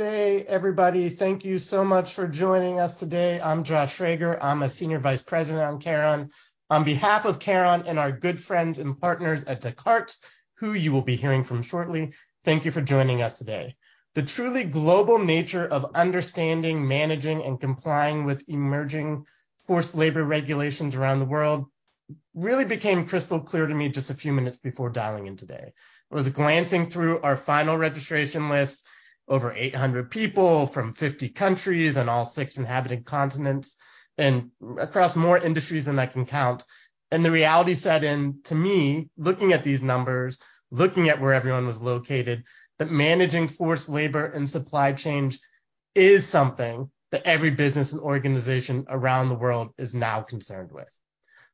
Today, everybody, thank you so much for joining us today. I'm Josh Schrager. I'm a Senior Vice President on Kharon. On behalf of Kharon and our good friends and partners at Descartes, who you will be hearing from shortly, thank you for joining us today. The truly global nature of understanding, managing, and complying with emerging forced labor regulations around the world really became crystal clear to me just a few minutes before dialing in today. I was glancing through our final registration list, over 800 people from 50 countries on all six inhabited continents and across more industries than I can count. The reality set in to me, looking at these numbers, looking at where everyone was located, that managing forced labor and supply chains is something that every business and organization around the world is now concerned with.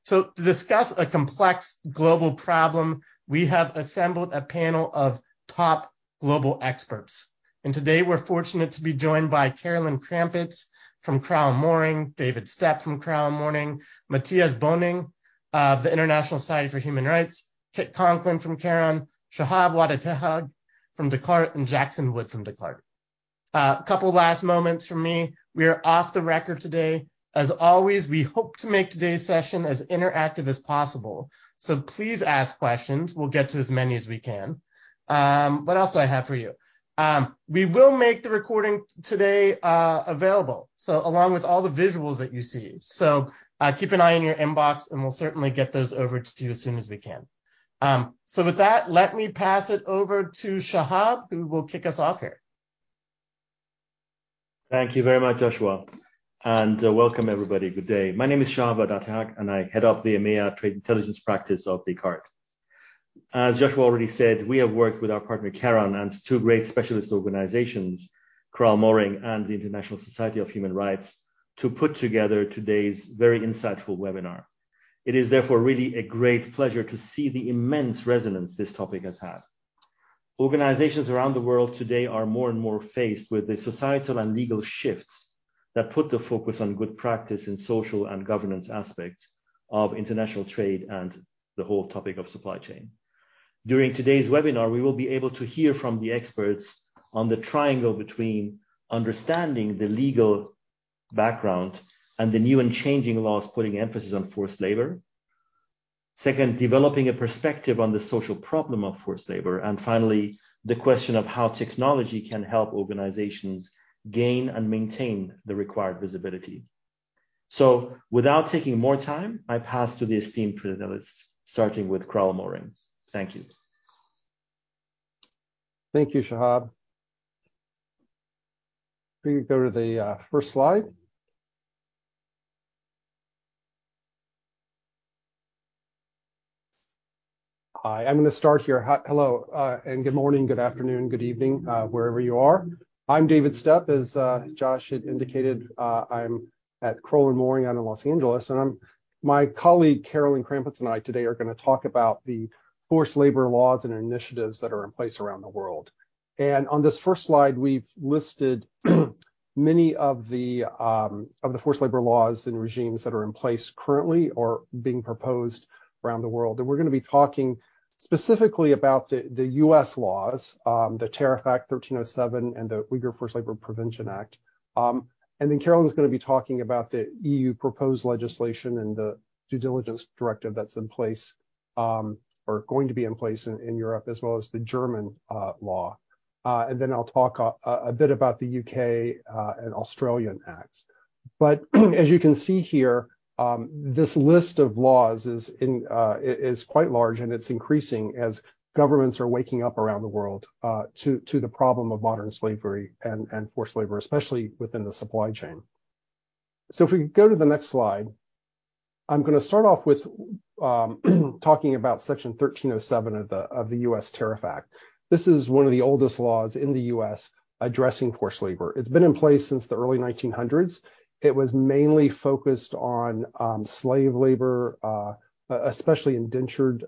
To discuss a complex global problem, we have assembled a panel of top global experts, and today we're fortunate to be joined by Carolyn Krampitz from Crowell & Moring, David Stepp from Crowell & Moring, Matthias Böhning of the International Society for Human Rights, Kit Conklin from Kharon, Shahab Wahdatehagh from Descartes, and Jackson Wood from Descartes. A couple last moments from me. We are off the record today. As always, we hope to make today's session as interactive as possible, so please ask questions. We'll get to as many as we can. What else do I have for you? We will make the recording today available, so along with all the visuals that you see. Keep an eye on your inbox, and we'll certainly get those over to you as soon as we can. With that, let me pass it over to Shahab, who will kick us off here. Thank you very much, Joshua. Welcome everybody. Good day. My name is Shahab Wahdatehagh. I head up the EMEA Trade Intelligence practice of Descartes. As Joshua already said, we have worked with our partner Kharon and two great specialist organizations, Crowell & Moring and the International Society for Human Rights, to put together today's very insightful webinar. It is therefore really a great pleasure to see the immense resonance this topic has had. Organizations around the world today are more and more faced with the societal and legal shifts that put the focus on good practice in social and governance aspects of international trade and the whole topic of supply chain. During today's webinar, we will be able to hear from the experts on the triangle between understanding the legal background and the new and changing laws putting emphasis on forced labor. Second, developing a perspective on the social problem of forced labor. Finally, the question of how technology can help organizations gain and maintain the required visibility. Without taking more time, I pass to the esteemed panelists, starting with Crowell & Moring. Thank you. Thank you, Shahab. If we could go to the first slide. Hi, I'm gonna start here. Hello, and good morning, good afternoon, good evening, wherever you are. I'm David Stepp. As Josh had indicated, I'm at Crowell & Moring out in L.A., my colleague Carolyn Krampitz and I today are gonna talk about the forced labor laws and initiatives that are in place around the world. On this first slide, we've listed many of the forced labor laws and regimes that are in place currently or being proposed around the world. We're gonna be talking specifically about the U.S. laws, the Tariff Act 1307, and the Uyghur Forced Labor Prevention Act. Then Carolyn's gonna be talking about the EU proposed legislation and the Due Diligence Directive that's in place, or going to be in place in Europe, as well as the German law. Then I'll talk a bit about the U.K. and Australian acts. As you can see here, this list of laws is in, is quite large, and it's increasing as governments are waking up around the world, to the problem of modern slavery and forced labor, especially within the supply chain. If we could go to the next slide. I'm gonna start off with talking about Section 307 of the U.S. Tariff Act. This is one of the oldest laws in the U.S. addressing forced labor. It's been in place since the early 1900s. It was mainly focused on slave labor, especially indentured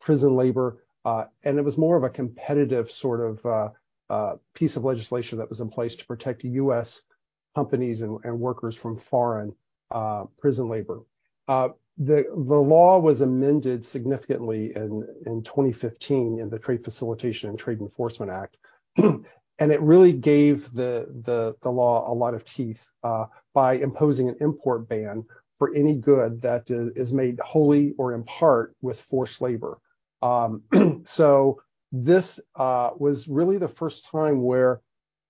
prison labor, and it was more of a competitive sort of piece of legislation that was in place to protect U.S. companies and workers from foreign prison labor. The law was amended significantly in 2015 in the Trade Facilitation and Trade Enforcement Act, and it really gave the law a lot of teeth by imposing an import ban for any good that is made wholly or in part with forced labor. This was really the first time where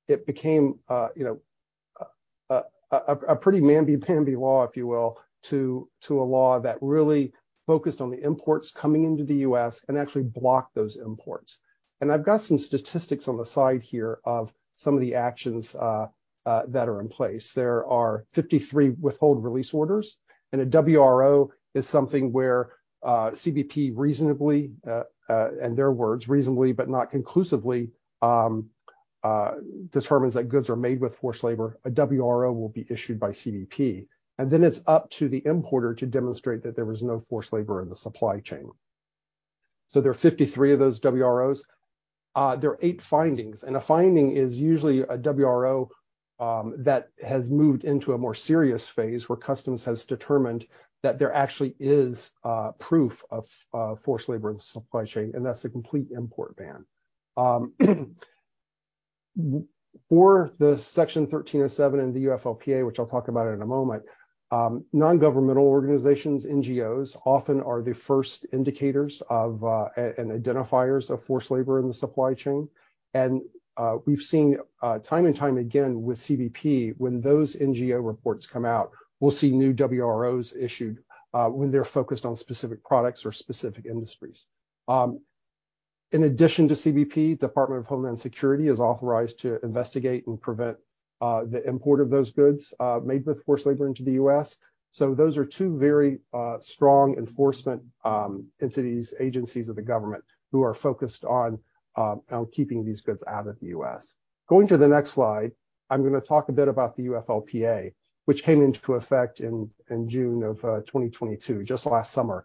it became, you know, a pretty namby-pamby law, if you will, to a law that really focused on the imports coming into the U.S. and actually block those imports. I've got some statistics on the side here of some of the actions that are in place. There are 53 Withhold Release Orders, and a WRO is something where CBP reasonably, in their words, reasonably but not conclusively, determines that goods are made with forced labor. A WRO will be issued by CBP, and then it's up to the importer to demonstrate that there was no forced labor in the supply chain. There are 53 of those WROs. There are eight findings, and a finding is usually a WRO that has moved into a more serious phase where customs has determined that there actually is proof of forced labor in the supply chain, and that's a complete import ban. For the Section 307 and the UFLPA, which I'll talk about in a moment, non-governmental organizations, NGOs, often are the first indicators of and identifiers of forced labor in the supply chain. We've seen time and time again with CBP, when those NGO reports come out, we'll see new WROs issued when they're focused on specific products or specific industries. In addition to CBP, Department of Homeland Security is authorized to investigate and prevent the import of those goods made with forced labor into the U.S. Those are two very strong enforcement entities, agencies of the government who are focused on keeping these goods out of the U.S. Going to the next slide, I'm gonna talk a bit about the UFLPA, which came into effect in June of 2022, just last summer.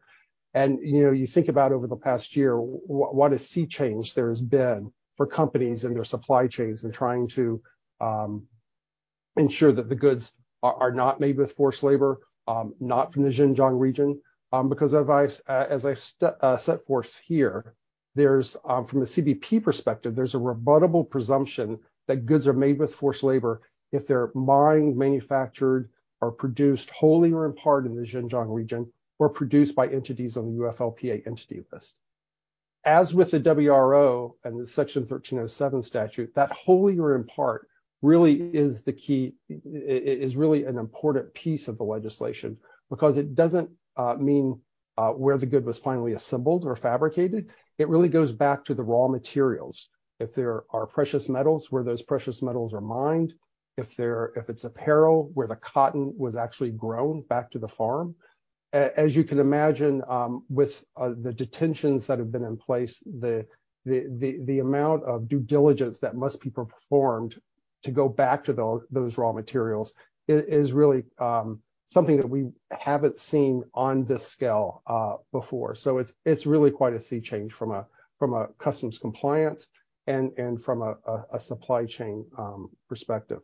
You know, you think about over the past year, what a sea change there has been for companies and their supply chains in trying to ensure that the goods are not made with forced labor, not from the Xinjiang region, because as I set forth here, there's from the CBP perspective, there's a rebuttable presumption that goods are made with forced labor if they're mined, manufactured, or produced wholly or in part in the Xinjiang region or produced by entities on the UFLPA Entity List. As with the WRO and the Section 307 statute, that wholly or in part really is the key, is really an important piece of the legislation because it doesn't mean where the good was finally assembled or fabricated. It really goes back to the raw materials. If there are precious metals, where those precious metals are mined. If it's apparel, where the cotton was actually grown back to the farm. As you can imagine, with the detentions that have been in place, the amount of due diligence that must be performed to go back to those raw materials is really something that we haven't seen on this scale before. It's really quite a sea change from a customs compliance and from a supply chain perspective.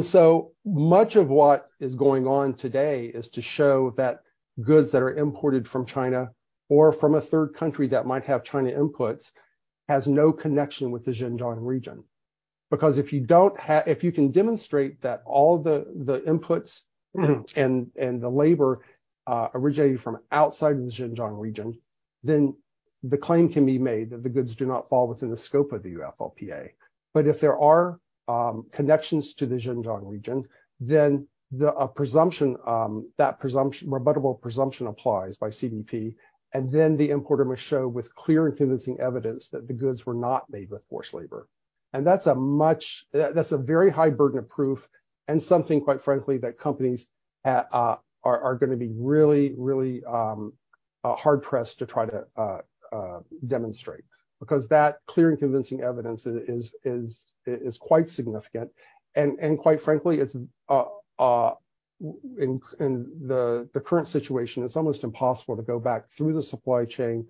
So much of what is going on today is to show that goods that are imported from China or from a third country that might have China inputs has no connection with the Xinjiang region. Because if you can demonstrate that all the inputs and the labor originated from outside of the Xinjiang region, then the claim can be made that the goods do not fall within the scope of the UFLPA. If there are connections to the Xinjiang region, then the presumption, rebuttable presumption applies by CBP, and then the importer must show with clear and convincing evidence that the goods were not made with forced labor. That's a much... That's a very high burden of proof and something, quite frankly, that companies are gonna be really hard-pressed to try to demonstrate because that clear and convincing evidence is quite significant. Quite frankly, it's in the current situation, it's almost impossible to go back through the supply chain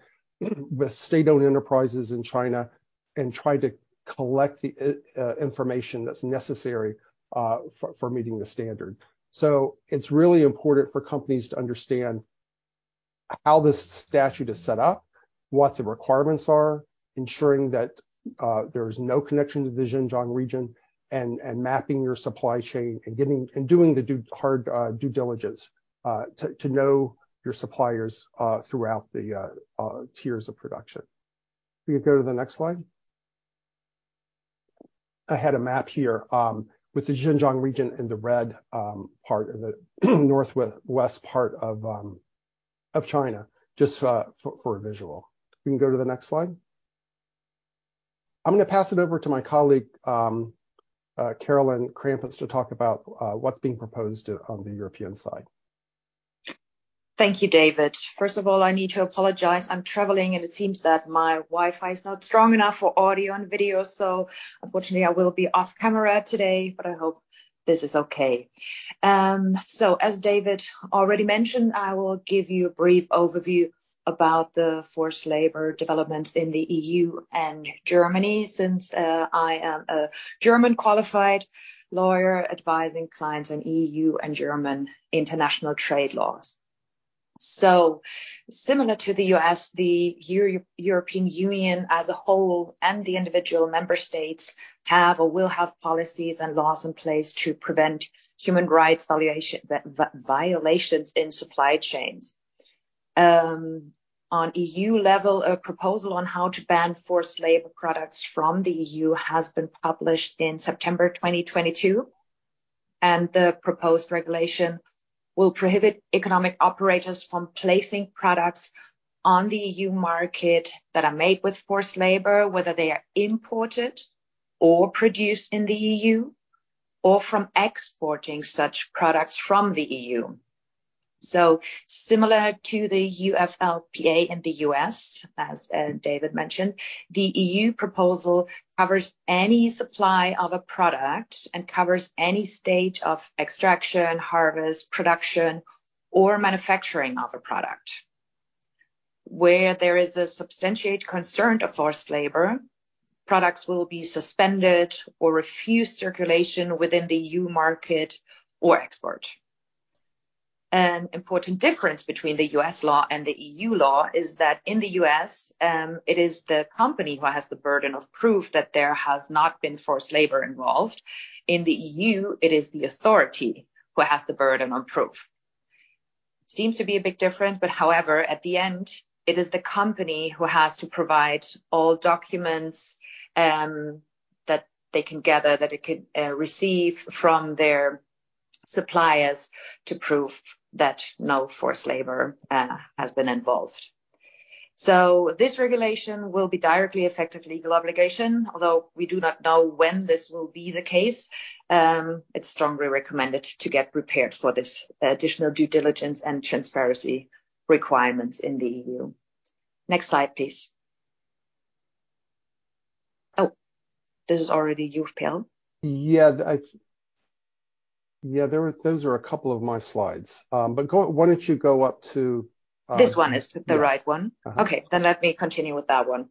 with state-owned enterprises in China and try to collect the information that's necessary for meeting the standard. It's really important for companies to understand how this statute is set up, what the requirements are, ensuring that there's no connection to the Xinjiang region, and mapping your supply chain and getting and doing the hard due diligence to know your suppliers throughout the tiers of production. Will you go to the next slide? I had a map here, with the Xinjiang region in the red part of the northwest part of China, just for a visual. We can go to the next slide. I'm gonna pass it over to my colleague, Carolyn Krampitz, to talk about what's being proposed on the European side. Thank you, David. First of all, I need to apologize. I'm traveling, and it seems that my Wi-Fi is not strong enough for audio and video, unfortunately, I will be off camera today, but I hope this is okay. As David already mentioned, I will give you a brief overview about the forced labor development in the EU and Germany since I am a German-qualified lawyer advising clients on EU and German international trade laws. Similar to the US, the European Union as a whole and the individual member states have or will have policies and laws in place to prevent human rights violations in supply chains. On EU level, a proposal on how to ban forced labor products from the EU has been published in September 2022. The proposed regulation will prohibit economic operators from placing products on the EU market that are made with forced labor, whether they are imported or produced in the EU or from exporting such products from the EU. Similar to the UFLPA in the U.S., as David mentioned, the EU proposal covers any supply of a product and covers any stage of extraction, harvest, production, or manufacturing of a product. Where there is a substantiated concern of forced labor, products will be suspended or refuse circulation within the EU market or export. An important difference between the U.S. law and the EU law is that in the U.S., it is the company who has the burden of proof that there has not been forced labor involved. In the EU, it is the authority who has the burden of proof. Seems to be a big difference, however, at the end, it is the company who has to provide all documents that they can gather, that it could receive from their suppliers to prove that no forced labor has been involved. This regulation will be directly effective legal obligation, although we do not know when this will be the case. It's strongly recommended to get prepared for this additional due diligence and transparency requirements in the EU. Next slide, please. Oh, this is already UFLPA. Yeah, those are a couple of my slides. Why don't you go up to. This one is the right one? Yes. Let me continue with that one.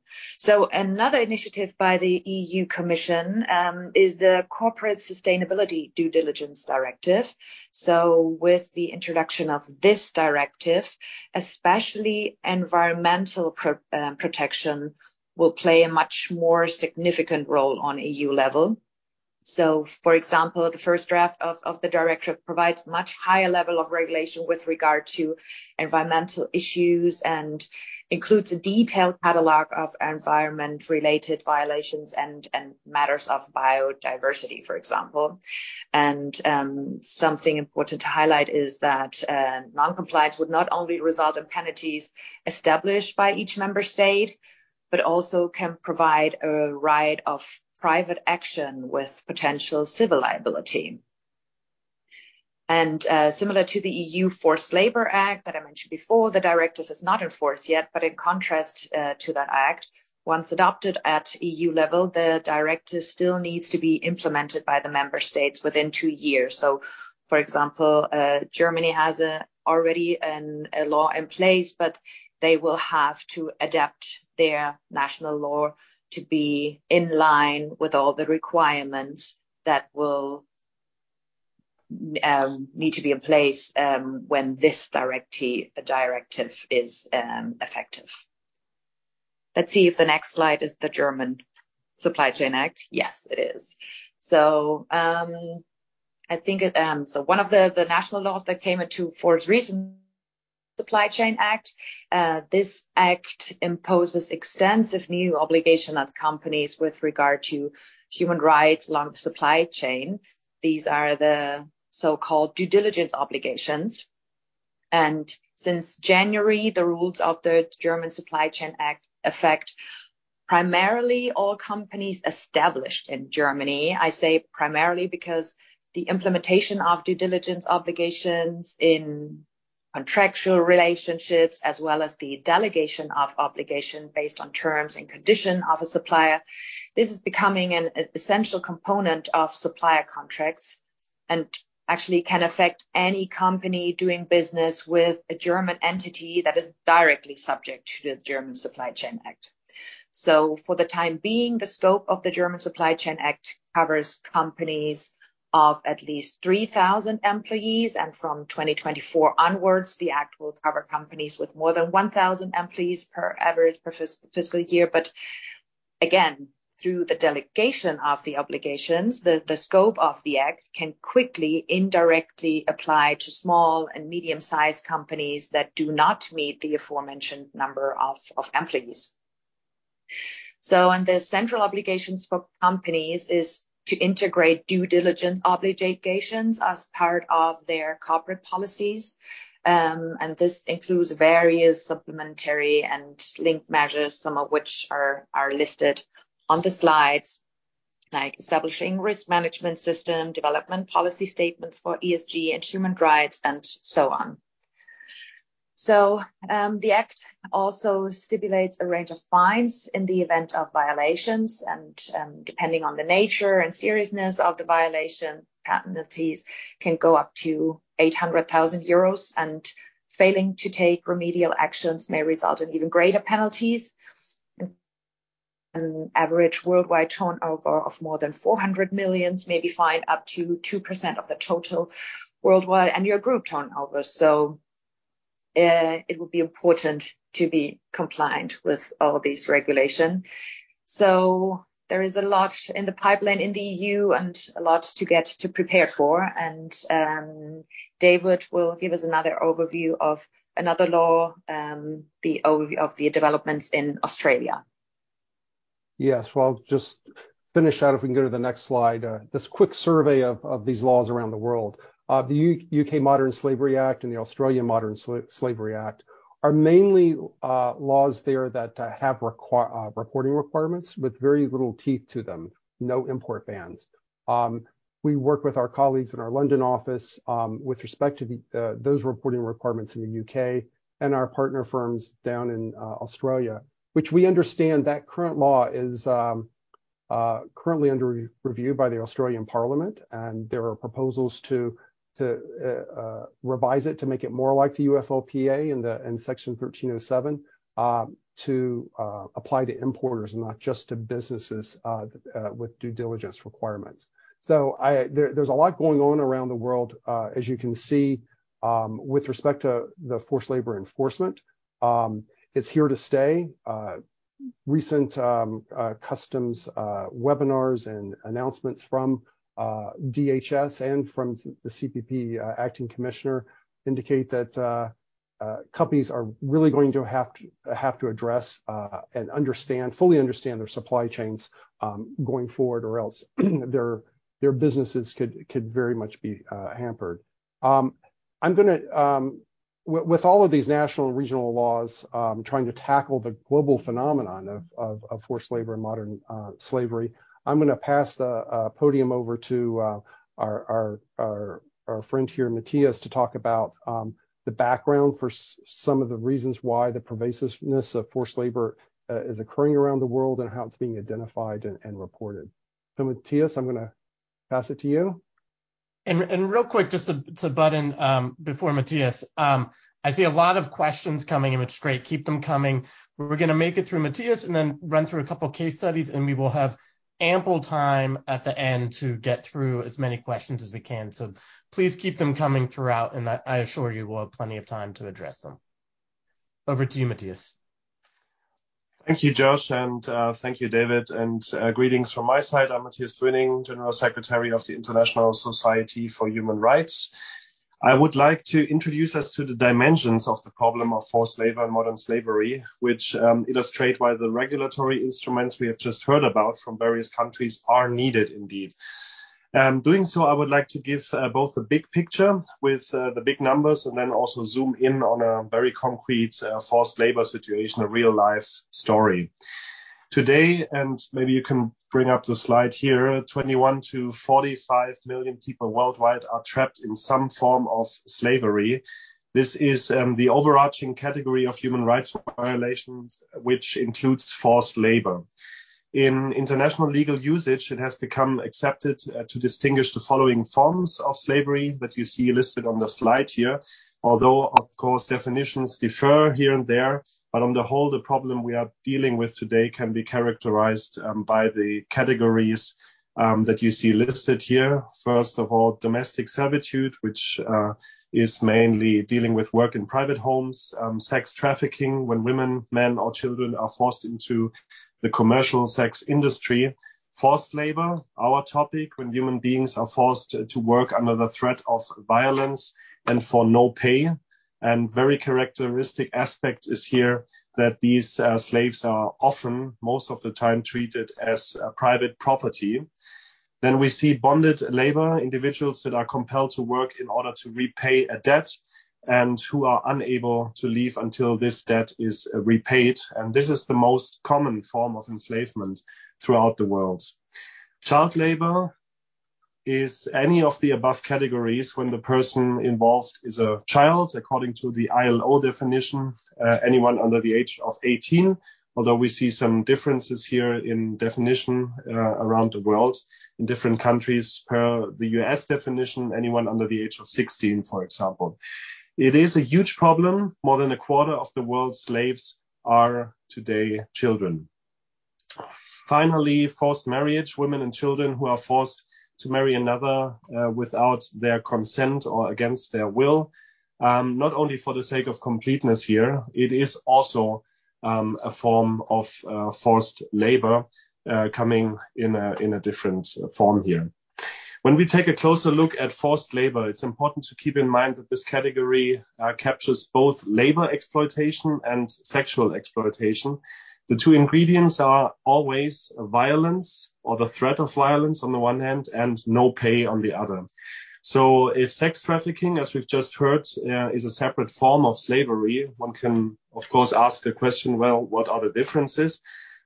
Another initiative by the European Commission is the Corporate Sustainability Due Diligence Directive. With the introduction of this directive, especially environmental protection will play a much more significant role on EU level. For example, the first draft of the directive provides much higher level of regulation with regard to environmental issues and includes a detailed catalog of environment-related violations and matters of biodiversity, for example. Something important to highlight is that non-compliance would not only result in penalties established by each member state, but also can provide a right of private action with potential civil liability. Similar to the EU Forced Labor Act that I mentioned before, the directive is not in force yet, but in contrast to that act, once adopted at EU level, the directive still needs to be implemented by the member states within two years. For example, Germany has already a law in place, but they will have to adapt their national law to be in line with all the requirements that will need to be in place when this directive is effective. Let's see if the next slide is the German Supply Chain Act. Yes, it is. I think one of the national laws that came into force recent, Supply Chain Act. This act imposes extensive new obligation on companies with regard to human rights along the supply chain. These are the so-called due diligence obligations. Since January, the rules of the German Supply Chain Act affect primarily all companies established in Germany. I say primarily because the implementation of due diligence obligations in contractual relationships, as well as the delegation of obligation based on terms and condition of a supplier, this is becoming an essential component of supplier contracts, and actually can affect any company doing business with a German entity that is directly subject to the German Supply Chain Act. For the time being, the scope of the German Supply Chain Act covers companies of at least 3,000 employees. From 2024 onwards, the act will cover companies with more than 1,000 employees per average per fiscal year. Again, through the delegation of the obligations, the scope of the act can quickly, indirectly apply to small and medium-sized companies that do not meet the aforementioned number of employees. On the central obligations for companies is to integrate due diligence obligations as part of their corporate policies. And this includes various supplementary and link measures, some of which are listed on the slides, like establishing risk management system, development policy statements for ESG and human rights, and so on. The act also stipulates a range of fines in the event of violations, and depending on the nature and seriousness of the violation, penalties can go up to 800,000 euros, and failing to take remedial actions may result in even greater penalties. An average worldwide turnover of more than 400 millions may be fined up to 2% of the total worldwide annual group turnover. It will be important to be compliant with all these regulation. There is a lot in the pipeline in the EU and a lot to get to prepare for. David will give us another overview of another law, of the developments in Australia. Yes. Well, just finish out, if we can go to the next slide, this quick survey of these laws around the world. The Modern Slavery Act 2015 and the Australian Modern Slavery Act are mainly laws there that have reporting requirements with very little teeth to them, no import bans. We work with our colleagues in our London office with respect to those reporting requirements in the UK and our partner firms down in Australia, which we understand that current law is currently under review by the Australian Parliament, and there are proposals to revise it to make it more like the UFLPA in Section 1307 to apply to importers and not just to businesses with due diligence requirements. I... There's a lot going on around the world, as you can see, with respect to the forced labor enforcement. It's here to stay. Recent customs webinars and announcements from DHS and from the CBP acting commissioner indicate that companies are really going to have to address and understand, fully understand their supply chains going forward or else their businesses could very much be hampered. I'm gonna... With all of these national and regional laws, trying to tackle the global phenomenon of forced labor and modern slavery, I'm gonna pass the podium over to our friend here, Matthias, to talk about the background for some of the reasons why the pervasiveness of forced labor is occurring around the world and how it's being identified and reported. Matthias, I'm gonna pass it to you. Real quick, just to butt in, before Matthias, I see a lot of questions coming in, which is great. Keep them coming. We're gonna make it through Matthias and then run through a couple of case studies, and we will have ample time at the end to get through as many questions as we can. Please keep them coming throughout, and I assure you we'll have plenty of time to address them. Over to you, Matthias. Thank you, Josh, thank you, David, greetings from my side. I'm Matthias Böhning, General Secretary of the International Society for Human Rights. I would like to introduce us to the dimensions of the problem of forced labor and modern slavery, which illustrate why the regulatory instruments we have just heard about from various countries are needed indeed. Doing so, I would like to give both the big picture with the big numbers and then also zoom in on a very concrete forced labor situation, a real-life story. Today, maybe you can bring up the slide here, 21 to 45 million people worldwide are trapped in some form of slavery. This is the overarching category of human rights violations, which includes forced labor. In international legal usage, it has become accepted to distinguish the following forms of slavery that you see listed on the slide here. Of course definitions differ here and there, on the whole, the problem we are dealing with today can be characterized by the categories that you see listed here. First of all, domestic servitude, which is mainly dealing with work in private homes. Sex trafficking, when women, men or children are forced into the commercial sex industry. Forced Labor, our topic, when human beings are forced to work under the threat of violence and for no pay, and very characteristic aspect is here that these slaves are often most of the time treated as private property. We see bonded labor, individuals that are compelled to work in order to repay a debt and who are unable to leave until this debt is repaid. This is the most common form of enslavement throughout the world. Child labor is any of the above categories when the person involved is a child, according to the ILO definition, anyone under the age of 18, although we see some differences here in definition around the world in different countries, per the U.S. definition, anyone under the age of 16, for example. It is a huge problem. More than a quarter of the world's slaves are today children. Forced marriage, women and children who are forced to marry another without their consent or against their will. Not only for the sake of completeness here, it is also a form of forced labor coming in a different form here. When we take a closer look at forced labor, it's important to keep in mind that this category captures both labor exploitation and sexual exploitation. The two ingredients are always violence or the threat of violence on the one hand and no pay on the other. If sex trafficking, as we've just heard, is a separate form of slavery, one can of course ask the question, well, what are the differences?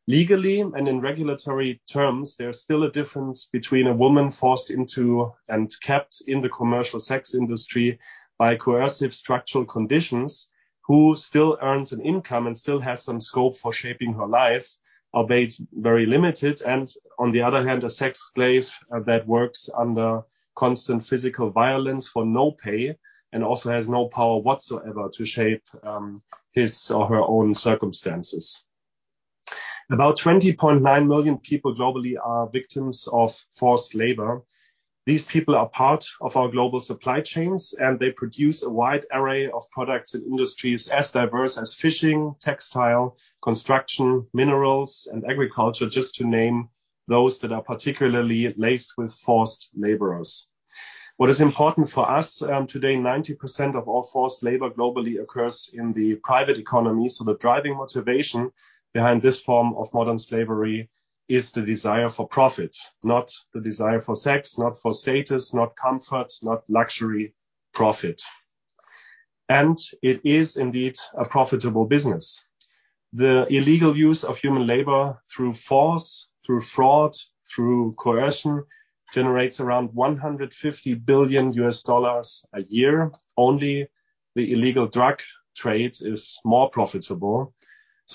Legally and in regulatory terms, there's still a difference between a woman forced into and kept in the commercial sex industry by coercive structural conditions, who still earns an income and still has some scope for shaping her life, albeit very limited, and on the other hand, a sex slave that works under constant physical violence for no pay and also has no power whatsoever to shape his or her own circumstances. About 20.9 million people globally are victims of forced labor. These people are part of our global supply chains, and they produce a wide array of products in industries as diverse as fishing, textile, construction, minerals, and agriculture, just to name those that are particularly laced with forced laborers. What is important for us, today, 90% of all forced labor globally occurs in the private economy. The driving motivation behind this form of modern slavery is the desire for profit, not the desire for sex, not for status, not comfort, not luxury. Profit. It is indeed a profitable business. The illegal use of human labor through force, through fraud, through coercion, generates around $150 billion a year only. The illegal drug trade is more profitable.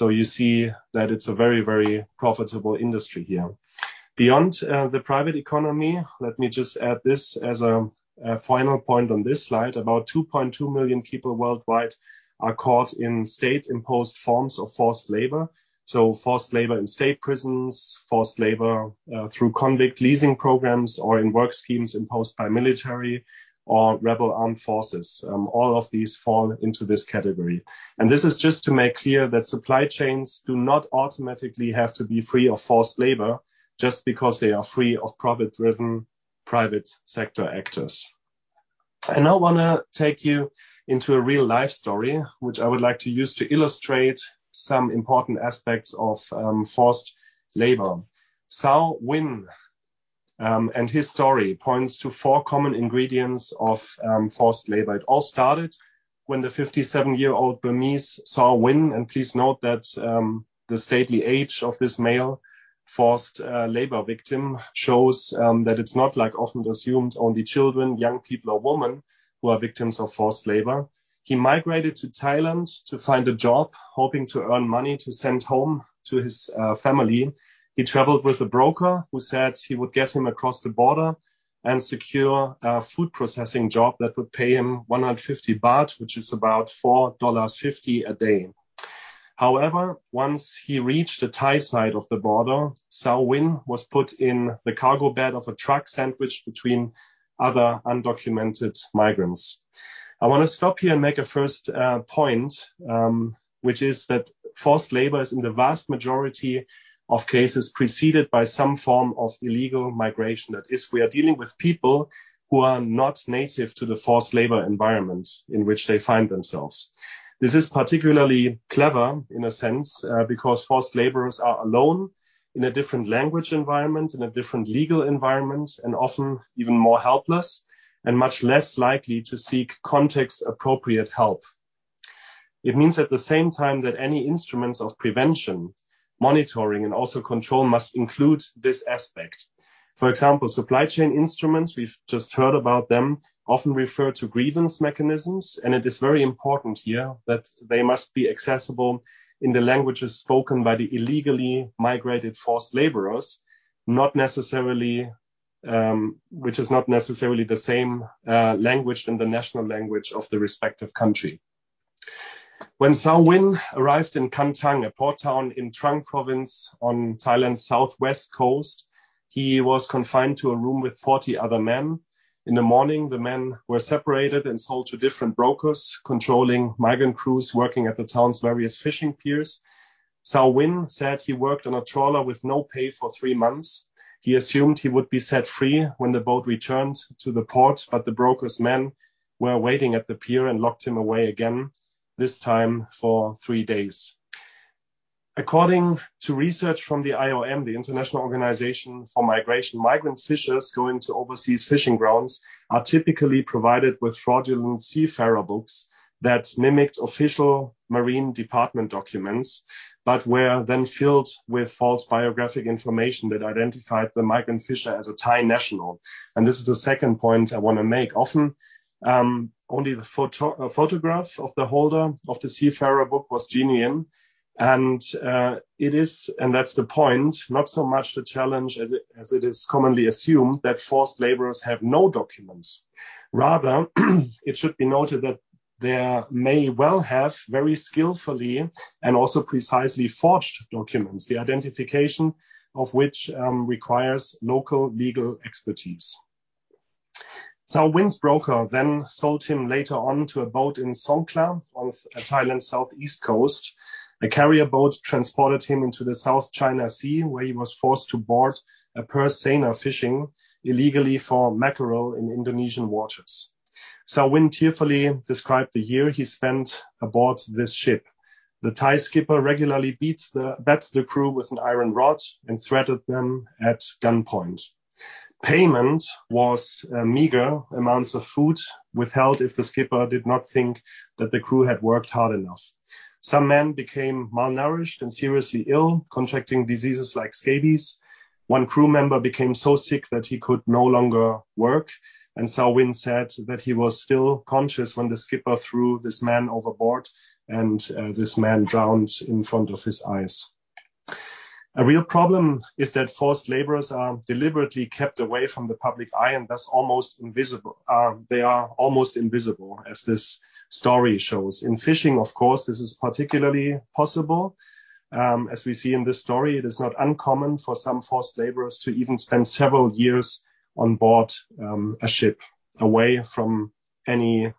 You see that it's a very profitable industry here. Beyond, the private economy, let me just add this as a final point on this slide. About 2.2 million people worldwide are caught in state-imposed forms of forced labor. Forced labor in state prisons, forced labor through convict leasing programs or in work schemes imposed by military or rebel armed forces. All of these fall into this category. This is just to make clear that supply chains do not automatically have to be free of forced labor just because they are free of profit-driven private sector actors. I now wanna take you into a real-life story, which I would like to use to illustrate some important aspects of forced labor. Zaw Win, and his story points to four common ingredients of forced labor. It all started when the 57-year-old Burmese Zaw Win, and please note that the stately age of this male forced labor victim shows that it's not like often assumed only children, young people or women who are victims of forced labor. He migrated to Thailand to find a job, hoping to earn money to send home to his family. He traveled with a broker who said he would get him across the border and secure a food processing job that would pay him 150 baht, which is about $4.50 a day. Once he reached the Thai side of the border, Zaw Win was put in the cargo bed of a truck sandwiched between other undocumented migrants. I wanna stop here and make a first point, which is that forced labor is in the vast majority of cases preceded by some form of illegal migration. That is, we are dealing with people who are not native to the forced labor environment in which they find themselves. This is particularly clever in a sense because forced laborers are alone in a different language environment, in a different legal environment, and often even more helpless and much less likely to seek context appropriate help. It means at the same time that any instruments of prevention, monitoring, and also control must include this aspect. For example, supply chain instruments, we've just heard about them, often refer to grievance mechanisms, and it is very important here that they must be accessible in the languages spoken by the illegally migrated forced laborers, not necessarily, which is not necessarily the same language than the national language of the respective country. When Zaw Win arrived in Kantang, a port town in Trang province on Thailand's southwest coast, he was confined to a room with 40 other men. In the morning, the men were separated and sold to different brokers controlling migrant crews working at the town's various fishing piers. Zaw Win said he worked on a trawler with no pay for three months. He assumed he would be set free when the boat returned to the port, but the broker's men were waiting at the pier and locked him away again, this time for three days. According to research from the IOM, the International Organization for Migration, migrant fishers going to overseas fishing grounds are typically provided with fraudulent seafarer books that mimicked official marine department documents, but were then filled with false biographic information that identified the migrant fisher as a Thai national. This is the second point I want to make. Often, only the photograph of the holder of the seafarer book was genuine, it is, and that's the point, not so much the challenge as it is commonly assumed that forced laborers have no documents. Rather, it should be noted that they may well have very skillfully and also precisely forged documents, the identification of which requires local legal expertise. Zaw Win's broker sold him later on to a boat in Songkhla off Thailand's southeast coast. The carrier boat transported him into the South China Sea, where he was forced to board a purse seiner fishing illegally for mackerel in Indonesian waters. Zaw Win tearfully described the year he spent aboard this ship. The Thai skipper regularly bats the crew with an iron rod and threatened them at gunpoint. Payment was meager amounts of food withheld if the skipper did not think that the crew had worked hard enough. Some men became malnourished and seriously ill, contracting diseases like scabies. One crew member became so sick that he could no longer work, and Zaw Win said that he was still conscious when the skipper threw this man overboard, and this man drowned in front of his eyes. A real problem is that forced laborers are deliberately kept away from the public eye, and thus they are almost invisible, as this story shows. In fishing, of course, this is particularly possible. As we see in this story, it is not uncommon for some forced laborers to even spend several years on board, a ship away from any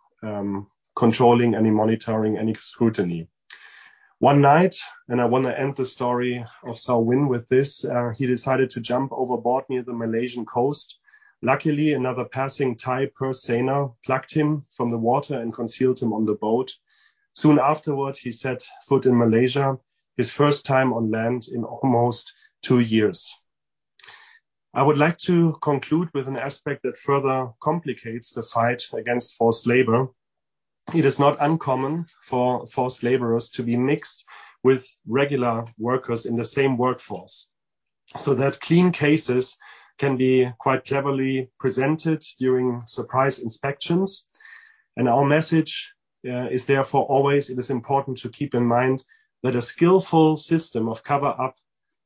controlling, any monitoring, any scrutiny. One night, I wanna end the story of Zaw Win with this, he decided to jump overboard near the Malaysian coast. Luckily, another passing Thai purse seiner plucked him from the water and concealed him on the boat. Soon afterwards, he set foot in Malaysia, his first time on land in almost two years. I would like to conclude with an aspect that further complicates the fight against forced labor. It is not uncommon for forced laborers to be mixed with regular workers in the same workforce. That clean cases can be quite cleverly presented during surprise inspections. Our message is therefore always, it is important to keep in mind that a skillful system of cover-up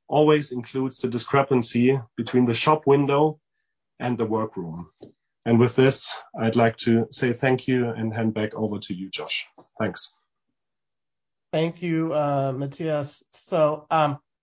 always includes the discrepancy between the shop window and the work room. With this, I'd like to say thank you and hand back over to you, Josh. Thanks. Thank you, Matthias.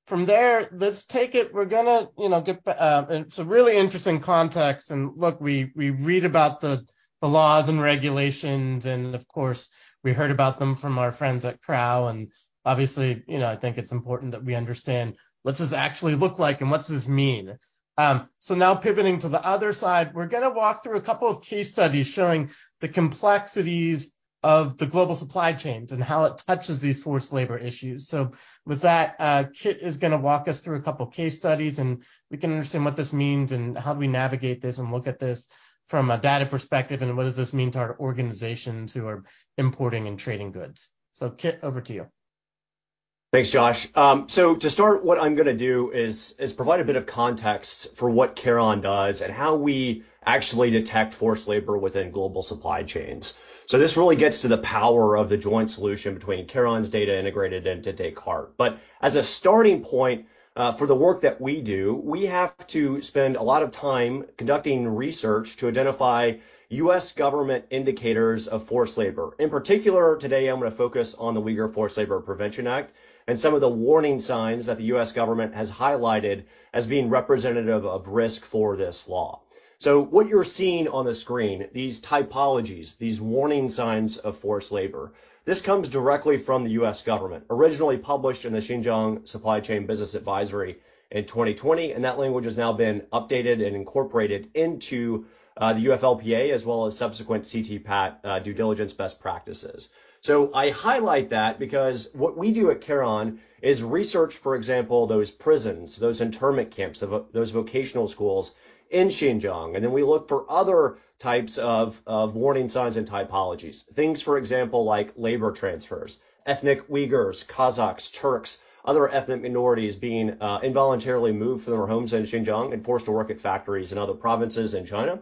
From there, let's take it. We're gonna, you know, get back into really interesting context, and look, we read about the laws and regulations, and of course, we heard about them from our friends at Crow. Obviously, you know, I think it's important that we understand what's this actually look like and what's this mean. Now pivoting to the other side, we're gonna walk through a couple of case studies showing the complexities of the global supply chains and how it touches these forced labor issues. With that, Kit is gonna walk us through a couple of case studies, and we can understand what this means and how do we navigate this and look at this from a data perspective, and what does this mean to our organizations who are importing and trading goods. Kit, over to you. Thanks, Josh. To start, what I'm gonna do is provide a bit of context for what Kharon does and how we actually detect forced labor within global supply chains. This really gets to the power of the joint solution between Kharon's data integrated into Descartes. As a starting point, for the work that we do, we have to spend a lot of time conducting research to identify U.S. government indicators of forced labor. In particular, today, I'm gonna focus on the Uyghur Forced Labor Prevention Act and some of the warning signs that the U.S. government has highlighted as being representative of risk for this law. What you're seeing on the screen, these typologies, these warning signs of forced labor, this comes directly from the U.S. government, originally published in the Xinjiang Supply Chain Business Advisory in 2020, and that language has now been updated and incorporated into the UFLPA, as well as subsequent CTPAT due diligence best practices. I highlight that because what we do at Kharon is research, for example, those prisons, those internment camps, those vocational schools in Xinjiang. We look for other types of warning signs and typologies. Things, for example, like labor transfers, ethnic Uyghurs, Kazakhs, Turks, other ethnic minorities being involuntarily moved from their homes in Xinjiang and forced to work at factories in other provinces in China.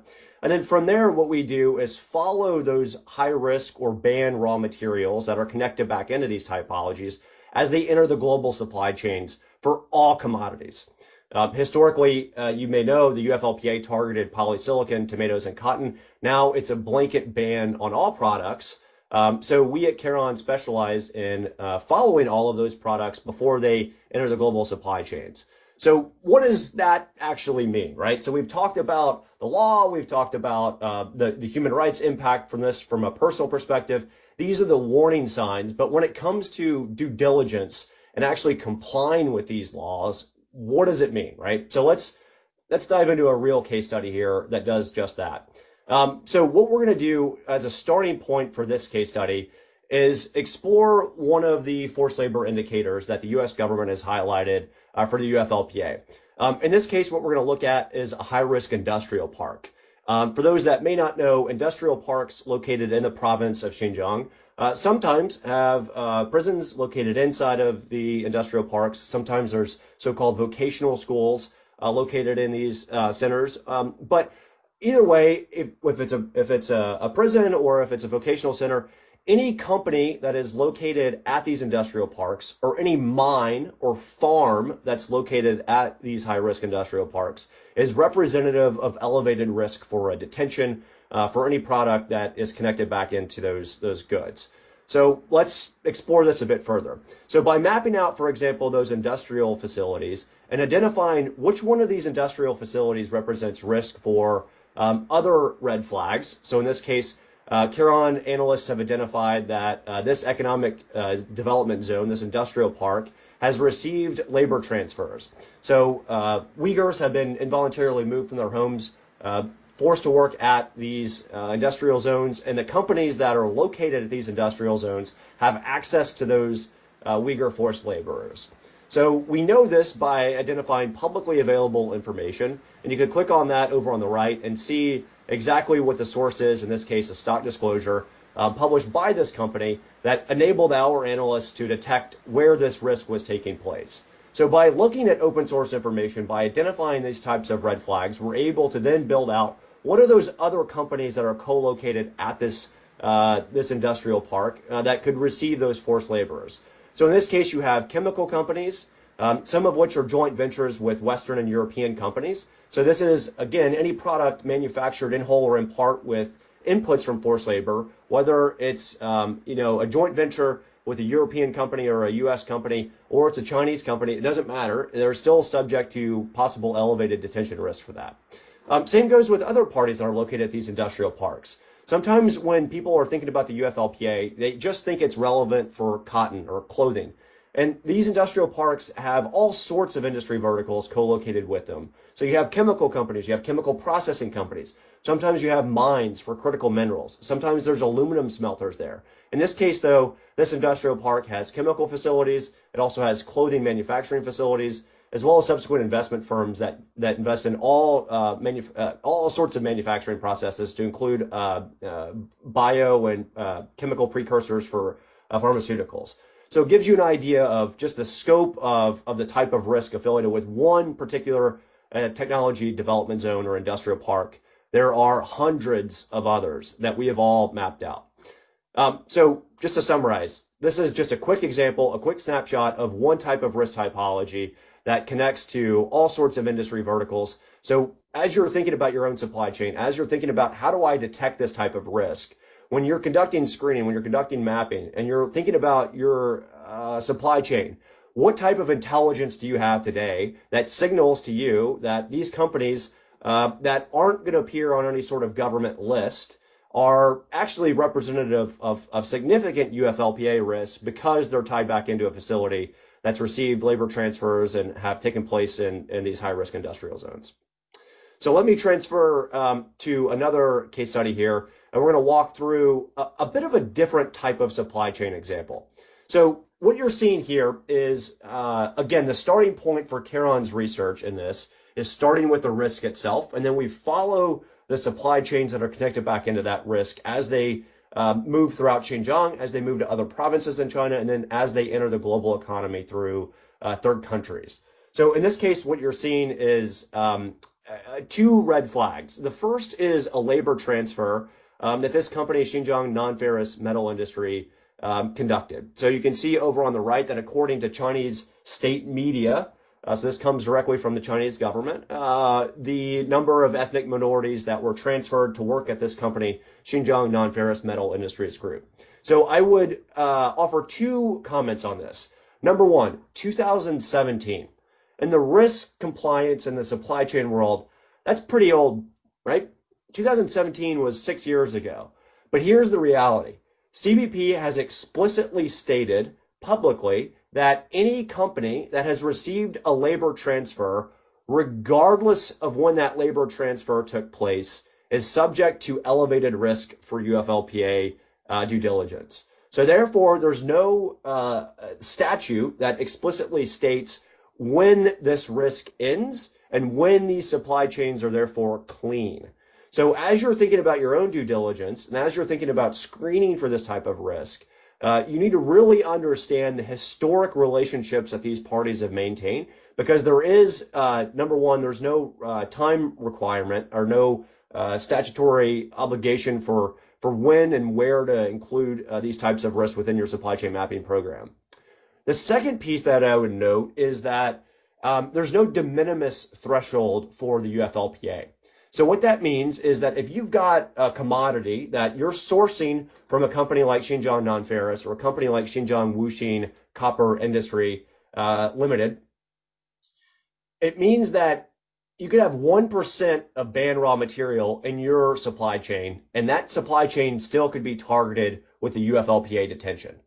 From there, what we do is follow those high risk or banned raw materials that are connected back into these typologies as they enter the global supply chains for all commodities. Historically, you may know the UFLPA targeted polysilicon, tomatoes, and cotton. Now it's a blanket ban on all products. We at Kharon specialize in following all of those products before they enter the global supply chains. What does that actually mean, right? We've talked about the law. We've talked about the human rights impact from this from a personal perspective. These are the warning signs. When it comes to due diligence and actually complying with these laws, what does it mean, right? Let's dive into a real case study here that does just that. What we're gonna do as a starting point for this case study is explore one of the forced labor indicators that the U.S. government has highlighted for the UFLPA. In this case, what we're gonna look at is a high-risk industrial park. For those that may not know, industrial parks located in the province of Xinjiang sometimes have prisons located inside of the industrial parks. Sometimes there's so-called vocational schools located in these centers. Either way, if it's a prison or if it's a vocational center, any company that is located at these industrial parks or any mine or farm that's located at these high-risk industrial parks is representative of elevated risk for a detention for any product that is connected back into those goods. Let's explore this a bit further. By mapping out, for example, those industrial facilities and identifying which one of these industrial facilities represents risk for other red flags. In this case, Kharon analysts have identified that this economic development zone, this industrial park, has received labor transfers. Uyghurs have been involuntarily moved from their homes, forced to work at these industrial zones, and the companies that are located at these industrial zones have access to those Uyghur forced laborers. We know this by identifying publicly available information, and you could click on that over on the right and see exactly what the source is, in this case, a stock disclosure, published by this company that enabled our analysts to detect where this risk was taking place. By looking at open source information, by identifying these types of red flags, we're able to then build out what are those other companies that are co-located at this industrial park, that could receive those forced laborers. In this case, you have chemical companies, some of which are joint ventures with Western and European companies. This is, again, any product manufactured in whole or in part with inputs from forced labor, whether it's, you know, a joint venture with a European company or a U.S. company, or it's a Chinese company, it doesn't matter. They're still subject to possible elevated detention risk for that. Same goes with other parties that are located at these industrial parks. Sometimes when people are thinking about the UFLPA, they just think it's relevant for cotton or clothing. These industrial parks have all sorts of industry verticals co-located with them. You have chemical companies, you have chemical processing companies. Sometimes you have mines for critical minerals. Sometimes there's aluminum smelters there. In this case, though, this industrial park has chemical facilities. It also has clothing manufacturing facilities, as well as subsequent investment firms that invest in all sorts of manufacturing processes to include bio and chemical precursors for pharmaceuticals. It gives you an idea of just the scope of the type of risk affiliated with one particular technology development zone or industrial park. There are hundreds of others that we have all mapped out. Just to summarize, this is just a quick example, a quick snapshot of one type of risk typology that connects to all sorts of industry verticals. As you're thinking about your own supply chain, as you're thinking about how do I detect this type of risk, when you're conducting screening, when you're conducting mapping, and you're thinking about your supply chain, what type of intelligence do you have today that signals to you that these companies that aren't gonna appear on any sort of government list are actually representative of significant UFLPA risk because they're tied back into a facility that's received labor transfers and have taken place in these high-risk industrial zones? Let me transfer to another case study here, and we're gonna walk through a bit of a different type of supply chain example. What you're seeing here is again, the starting point for Kharon's research in this is starting with the risk itself. We follow the supply chains that are connected back into that risk as they move throughout Xinjiang, as they move to other provinces in China, as they enter the global economy through third countries. In this case, what you're seeing is two red flags. The first is a labor transfer that this company, Xinjiang Nonferrous Metal Industry, conducted. You can see over on the right that according to Chinese state media, this comes directly from the Chinese government, the number of ethnic minorities that were transferred to work at this company, Xinjiang Nonferrous Metal Industry Group. I would offer two comments on this. Number 1, 2017. In the risk compliance and the supply chain world, that's pretty old, right? 2017 was 6 years ago. Here's the reality: CBP has explicitly stated publicly that any company that has received a labor transfer, regardless of when that labor transfer took place, is subject to elevated risk for UFLPA due diligence. Therefore, there's no statute that explicitly states when this risk ends and when these supply chains are therefore clean. As you're thinking about your own due diligence, and as you're thinking about screening for this type of risk, you need to really understand the historic relationships that these parties have maintained because there is, number 1, there's no time requirement or no statutory obligation for when and where to include these types of risks within your supply chain mapping program. The second piece that I would note is that there's no de minimis threshold for the UFLPA. What that means is that if you've got a commodity that you're sourcing from a company like Xinjiang Nonferrous or a company like Xinjiang Wuxin Copper Industry, Limited, it means that you could have 1% of banned raw material in your supply chain, and that supply chain still could be targeted with the UFLPA detention.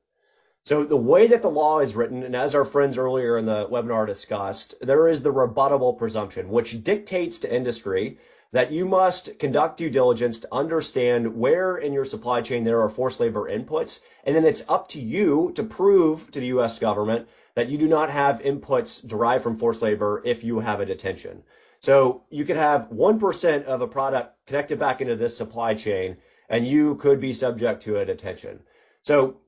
The way that the law is written, and as our friends earlier in the webinar discussed, there is the rebuttable presumption, which dictates to industry that you must conduct due diligence to understand where in your supply chain there are forced labor inputs, and then it's up to you to prove to the US government that you do not have inputs derived from forced labor if you have a detention. You could have 1% of a product connected back into this supply chain, and you could be subject to a detention.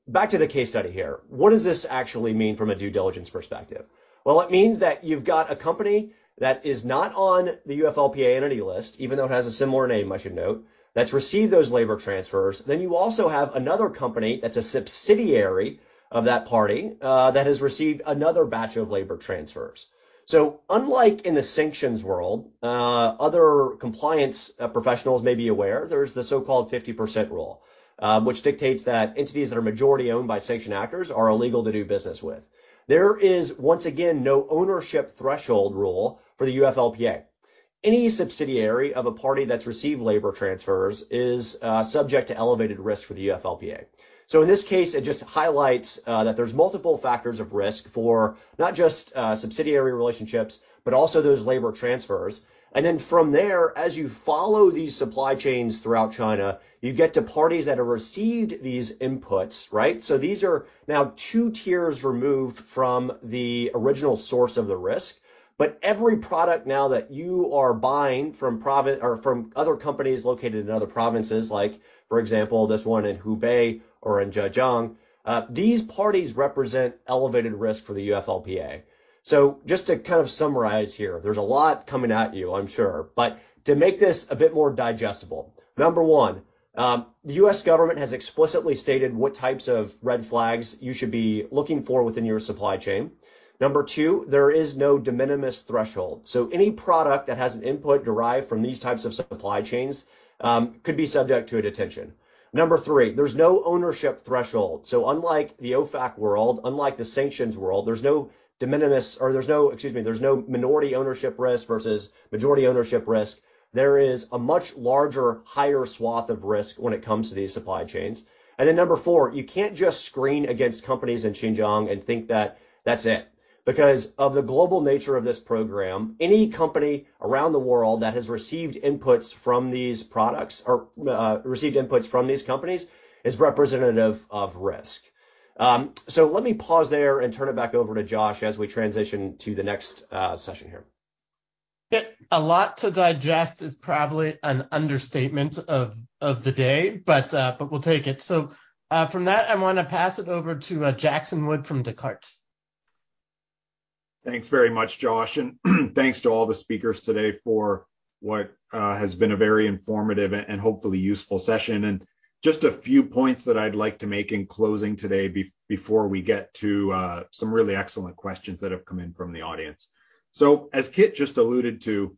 Back to the case study here. What does this actually mean from a due diligence perspective? Well, it means that you've got a company that is not on the UFLPA Entity List, even though it has a similar name, I should note, that's received those labor transfers. Then you also have another company that's a subsidiary of that party, that has received another batch of labor transfers. Unlike in the sanctions world, other compliance professionals may be aware, there's the so-called 50 Percent Rule, which dictates that entities that are majority owned by sanction actors are illegal to do business with. There is, once again, no ownership threshold rule for the UFLPA. Any subsidiary of a party that's received labor transfers is subject to elevated risk for the UFLPA. In this case, it just highlights that there's multiple factors of risk for not just subsidiary relationships, but also those labor transfers. From there, as you follow these supply chains throughout China, you get to parties that have received these inputs, right? These are now two tiers removed from the original source of the risk. Every product now that you are buying from or from other companies located in other provinces, like for example, this one in Hubei or in Zhejiang, these parties represent elevated risk for the UFLPA. Just to kind of summarize here, there's a lot coming at you, I'm sure. To make this a bit more digestible, number 1, the U.S. government has explicitly stated what types of red flags you should be looking for within your supply chain. Number 2, there is no de minimis threshold. Number 3, there's no ownership threshold. Unlike the OFAC world, unlike the sanctions world, there's no de minimis or there's no, excuse me, there's no minority ownership risk versus majority ownership risk. There is a much larger, higher swath of risk when it comes to these supply chains. Number 4, you can't just screen against companies in Xinjiang and think that that's it. Of the global nature of this program, any company around the world that has received inputs from these products or received inputs from these companies is representative of risk. Let me pause there and turn it back over to Josh as we transition to the next session here. Yeah. A lot to digest is probably an understatement of the day, but we'll take it. From that, I wanna pass it over to Jackson Wood from Descartes. Thanks very much, Josh, thanks to all the speakers today for what has been a very informative and hopefully useful session. Just a few points that I'd like to make in closing today before we get to some really excellent questions that have come in from the audience. As Kit just alluded to,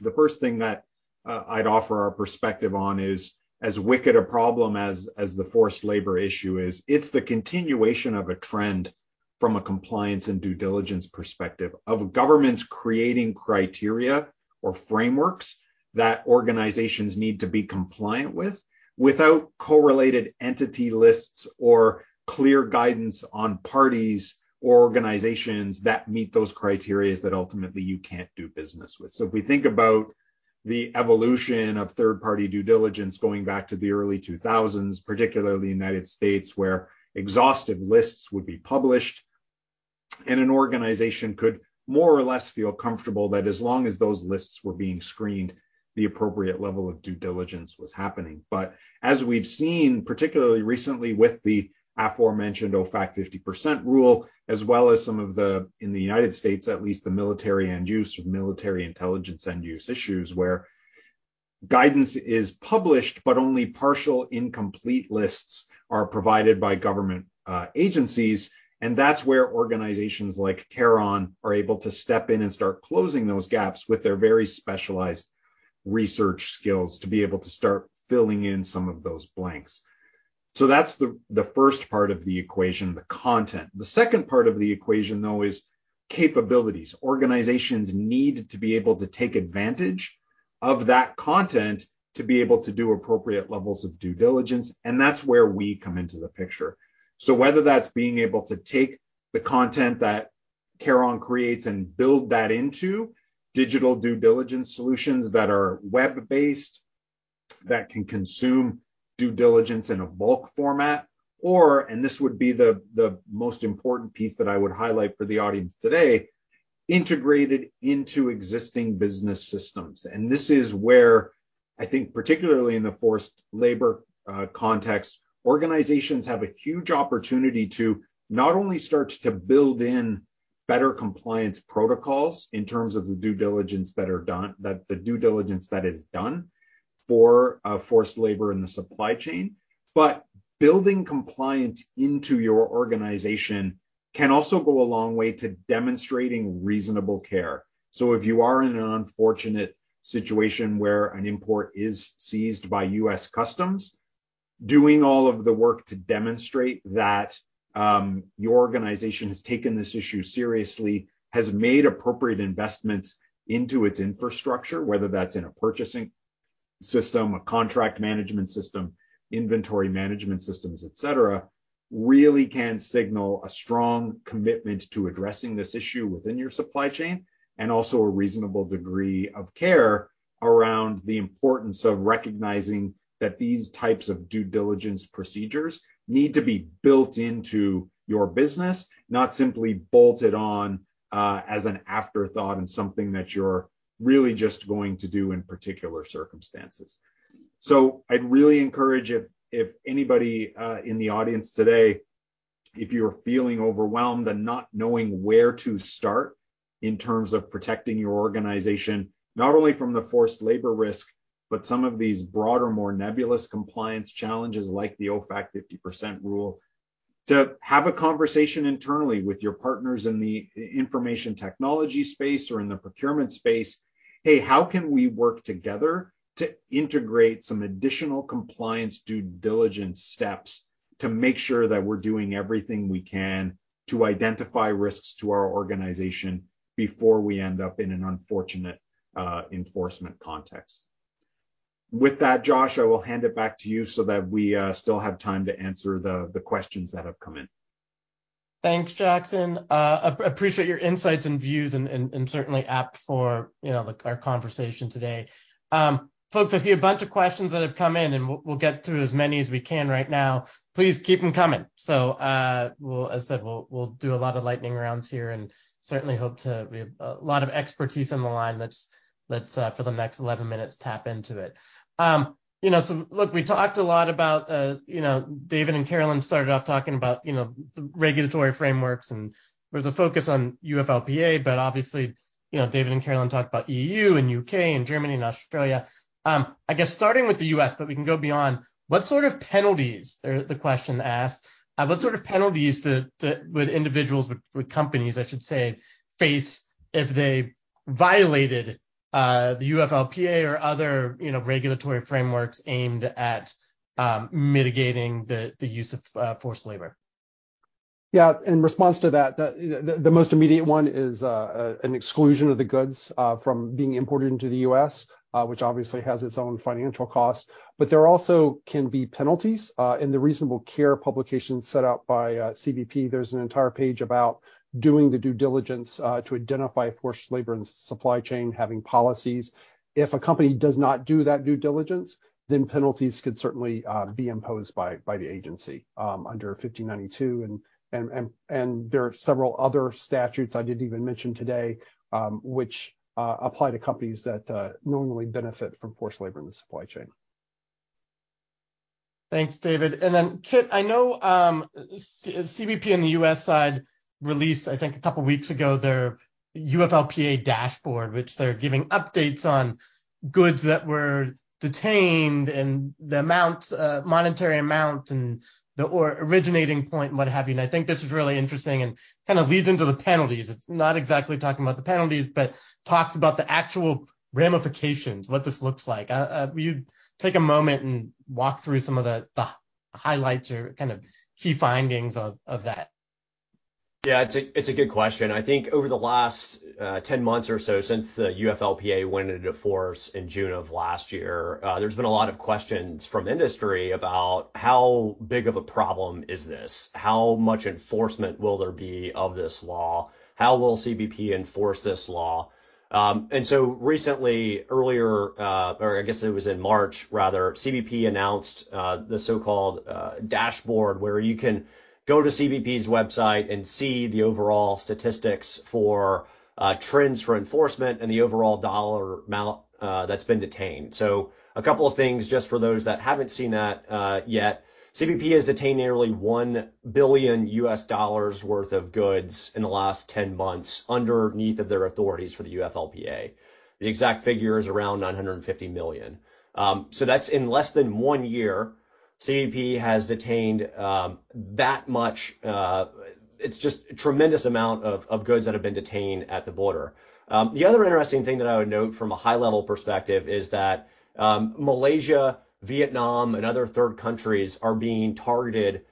the first thing that I'd offer our perspective on is as wicked a problem as the forced labor issue is, it's the continuation of a trend from a compliance and due diligence perspective of governments creating criteria or frameworks that organizations need to be compliant with, without correlated entity lists or clear guidance on parties or organizations that meet those criteria that ultimately you can't do business with. If we think about the evolution of third-party due diligence going back to the early 2000s, particularly United States, where exhaustive lists would be published and an organization could more or less feel comfortable that as long as those lists were being screened, the appropriate level of due diligence was happening. As we've seen, particularly recently with the aforementioned OFAC 50 Percent Rule, as well as some of the, in the United States at least, the military end use or military-intelligence end use issues where guidance is published, but only partial incomplete lists are provided by government agencies. That's where organizations like Kharon are able to step in and start closing those gaps with their very specialized research skills to be able to start filling in some of those blanks. That's the first part of the equation, the content. The second part of the equation, though, is capabilities. Organizations need to be able to take advantage of that content to be able to do appropriate levels of due diligence, and that's where we come into the picture. Whether that's being able to take the content that Kharon creates and build that into digital due diligence solutions that are web-based, that can consume due diligence in a bulk format, or, and this would be the most important piece that I would highlight for the audience today, integrated into existing business systems. This is where I think particularly in the forced labor context, organizations have a huge opportunity to not only start to build in better compliance protocols in terms of the due diligence that is done for forced labor in the supply chain, but building compliance into your organization can also go a long way to demonstrating reasonable care. If you are in an unfortunate situation where an import is seized by U.S. Customs, doing all of the work to demonstrate that your organization has taken this issue seriously, has made appropriate investments into its infrastructure, whether that's in a purchasing system, a contract management system, inventory management systems, et cetera, really can signal a strong commitment to addressing this issue within your supply chain, and also a reasonable degree of care around the importance of recognizing that these types of due diligence procedures need to be built into your business, not simply bolted on as an afterthought and something that you're really just going to do in particular circumstances. I'd really encourage if anybody in the audience today, if you're feeling overwhelmed and not knowing where to start in terms of protecting your organization, not only from the forced labor risk, but some of these broader, more nebulous compliance challenges like the OFAC 50 Percent Rule, to have a conversation internally with your partners in the information technology space or in the procurement space. "Hey, how can we work together to integrate some additional compliance due diligence steps to make sure that we're doing everything we can to identify risks to our organization before we end up in an unfortunate enforcement context?" With that, Josh, I will hand it back to you so that we still have time to answer the questions that have come in. Thanks, Jackson. Appreciate your insights and views and certainly apt for, you know, the, our conversation today. Folks, I see a bunch of questions that have come in, and we'll get through as many as we can right now. Please keep them coming. As I said, we'll do a lot of lightning rounds here and certainly hope to. We have a lot of expertise on the line. Let's for the next 11 minutes tap into it. You know, look, we talked a lot about, you know, David and Carolyn started off talking about, you know, the regulatory frameworks, and there was a focus on UFLPA, but obviously, you know, David and Carolyn talked about EU and UK and Germany and Australia. I guess starting with the U.S., but we can go beyond, what sort of penalties, there the question asked, what sort of penalties would individuals, would companies, I should say, face if they violated the UFLPA or other, you know, regulatory frameworks aimed at mitigating the use of forced labor? Yeah. In response to that, the most immediate one is an exclusion of the goods from being imported into the U.S., which obviously has its own financial cost. There also can be penalties. In the reasonable care publication set out by CBP, there's an entire page about doing the due diligence to identify forced labor and supply chain having policies. If a company does not do that due diligence, penalties could certainly be imposed by the agency under 1592. There are several other statutes I didn't even mention today, which apply to companies that normally benefit from forced labor in the supply chain. Thanks, David. Kit, I know, CBP on the U.S. side released, I think a couple weeks ago, their UFLPA dashboard, which they're giving updates on goods that were detained and the amount, monetary amount and the originating point, what have you. I think this is really interesting and kind of leads into the penalties. It's not exactly talking about the penalties, but talks about the actual ramifications, what this looks like. Will you take a moment and walk through some of the highlights or kind of key findings of that? Yeah, it's a good question. I think over the last 10 months or so since the UFLPA went into force in June of last year, there's been a lot of questions from industry about how big of a problem is this? How much enforcement will there be of this law? How will CBP enforce this law? Recently, earlier, or I guess it was in March rather, CBP announced the so-called dashboard where you can go to CBP's website and see the overall statistics for trends for enforcement and the overall dollar amount that's been detained. A couple of things just for those that haven't seen that yet. CBP has detained nearly $1 billion worth of goods in the last 10 months underneath of their authorities for the UFLPA. The exact figure is around $950 million. That's in less than one year, CBP has detained that much, it's just a tremendous amount of goods that have been detained at the border. The other interesting thing that I would note from a high-level perspective is that Malaysia, Vietnam, and other third countries are being targeted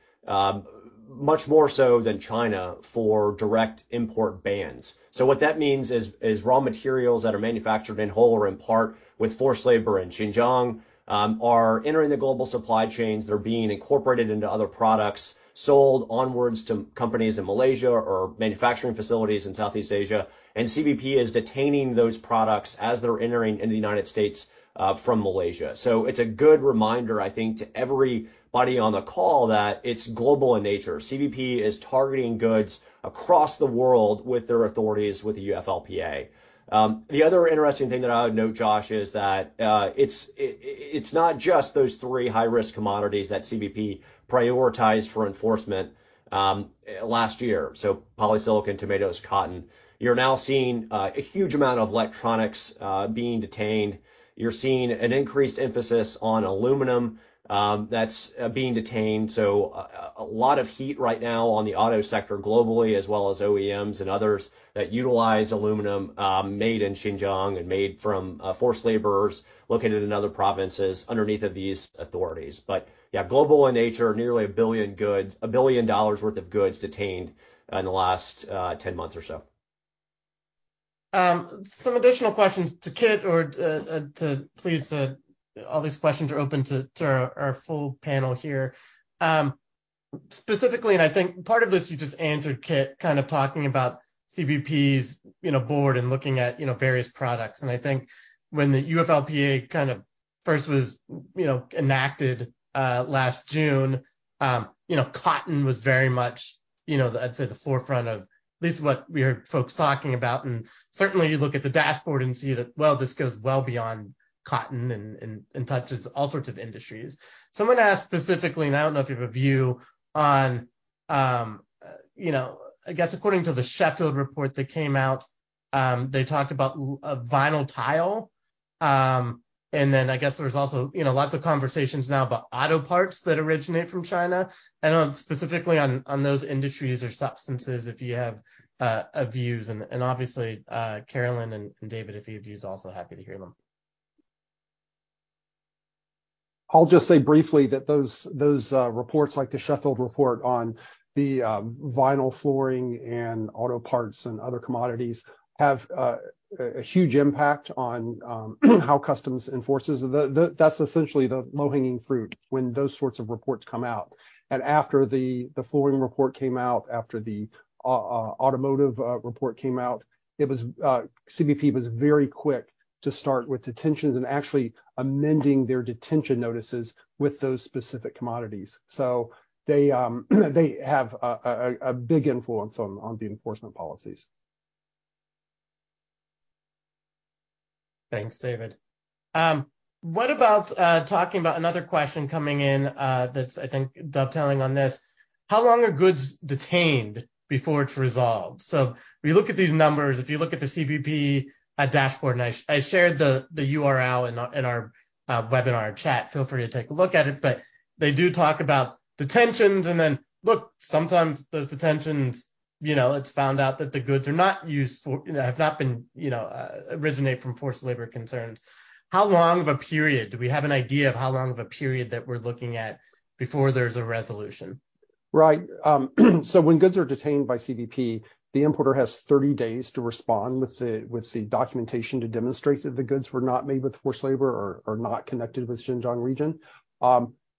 much more so than China for direct import bans. What that means is raw materials that are manufactured in whole or in part with forced labor in Xinjiang are entering the global supply chains, they're being incorporated into other products, sold onwards to companies in Malaysia or manufacturing facilities in Southeast Asia, CBP is detaining those products as they're entering in the United States from Malaysia. It's a good reminder, I think, to everybody on the call that it's global in nature. CBP is targeting goods across the world with their authorities with the UFLPA. The other interesting thing that I would note, Josh, is that it's not just those three high-risk commodities that CBP prioritized for enforcement, last year, so polysilicon, tomatoes, cotton. You're now seeing a huge amount of electronics being detained. You're seeing an increased emphasis on aluminum, that's being detained, so a lot of heat right now on the auto sector globally, as well as OEMs and others that utilize aluminum, made in Xinjiang and made from forced laborers located in other provinces underneath of these authorities. Yeah, global in nature, nearly 1 billion goods, $1 billion worth of goods detained in the last 10 months or so. Some additional questions to Kit or to please all these questions are open to our full panel here. Specifically, and I think part of this you just answered, Kit, kind of talking about CBP's, you know, board and looking at, you know, various products. I think when the UFLPA kind of first was, you know, enacted last June, you know, cotton was very much, you know, I'd say the forefront of at least what we heard folks talking about. Certainly you look at the dashboard and see that, well, this goes well beyond cotton and touches all sorts of industries. Someone asked specifically, and I don't know if you have a view on, you know, I guess according to the Sheffield Hallam report that came out, they talked about vinyl tile, and then I guess there's also, you know, lots of conversations now about auto parts that originate from China. I don't know, specifically on those industries or substances if you have a view. Obviously, Carolyn and David, if you have views also, happy to hear them. I'll just say briefly that those reports like the Sheffield report on the vinyl flooring and auto parts and other commodities have a huge impact on how customs enforces. That's essentially the low-hanging fruit when those sorts of reports come out. After the flooring report came out, after the automotive report came out, it was CBP was very quick to start with detentions and actually amending their detention notices with those specific commodities. They have a big influence on the enforcement policies. Thanks, David. What about talking about another question coming in that's I think dovetailing on this. How long are goods detained before it's resolved? When you look at these numbers, if you look at the CBP dashboard, and I shared the URL in our, in our webinar chat. Feel free to take a look at it. They do talk about detentions and then, look, sometimes those detentions, you know, it's found out that the goods are not used for, you know, have not been, you know, originate from forced labor concerns. How long of a period? Do we have an idea of how long of a period that we're looking at before there's a resolution? Right. When goods are detained by CBP, the importer has 30 days to respond with the documentation to demonstrate that the goods were not made with forced labor or not connected with Xinjiang region.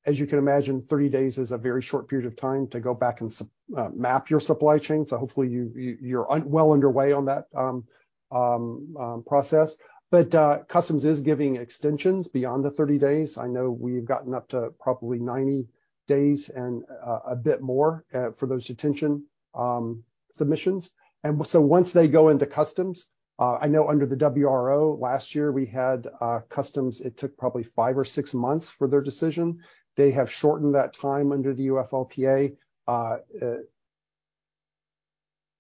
As you can imagine, 30 days is a very short period of time to go back and map your supply chain. Hopefully you're well underway on that process. Customs is giving extensions beyond the 30 days. I know we've gotten up to probably 90 days and a bit more for those detention submissions. Once they go into customs, I know under the WRO last year we had customs, it took probably 5 or 6 months for their decision. They have shortened that time under the UFLPA.